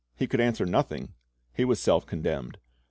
he could answer nothing. He was self condemned.